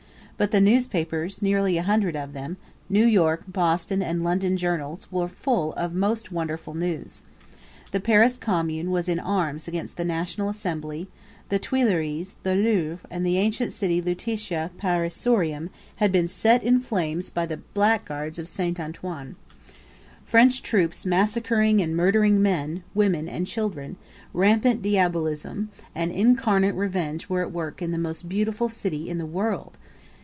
But the newspapers, nearly a hundred of them, New York, Boston, and London journals, were full of most wonderful news. The Paris Commune was in arms against the National Assembly; the Tuileries, the Louvre, and the ancient city Lutetia Parisiorum had been set in flames by the blackguards of Saint Antoine! French troops massacring and murdering men, women, and children; rampant diabolism, and incarnate revenge were at work in the most beautiful city in the world!